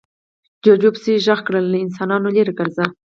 جوجو پسې غږ کړ، له انسانانو ليرې ګرځه.